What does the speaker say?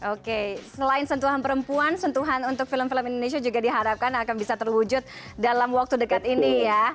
oke selain sentuhan perempuan sentuhan untuk film film indonesia juga diharapkan akan bisa terwujud dalam waktu dekat ini ya